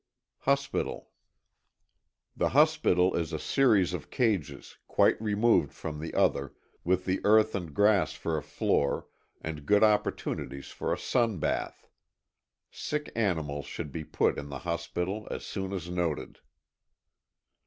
15.ŌĆöHospital. The hospital is a series of cages, quite removed from the other, with the earth and grass for a floor, and good opportunities for a ŌĆ£sun bathŌĆØ. Sick animals should be put in the hospital as soon as noted.